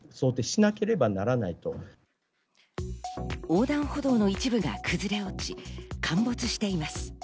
横断歩道の一部が崩れ落ち、陥没しています。